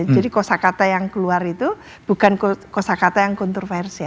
jadi kosa kata yang keluar itu bukan kosa kata yang kontroversial